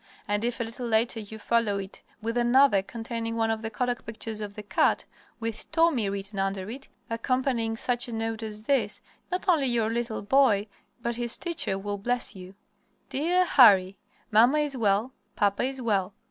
And if a little later you follow it with another containing one of the kodak pictures of the cat, with "Tommy" written under it, accompanying such a note as this, not only your little boy, but his teacher will bless you: "DEAR HARRY: "Mamma is well. Papa is well.